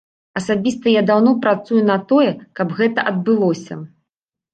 Асабіста я даўно працую на тое, каб гэта адбылося.